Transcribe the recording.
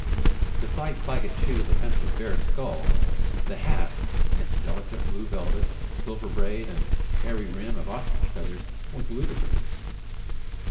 Beside Claggett Chew's offensive bare skull, the hat, in its delicate blue velvet, silver braid, and airy rim of ostrich feathers, was ludicrous.